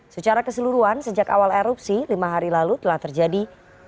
secara keseluruhan sejak awal erupsi lima hari lalu telah terjadi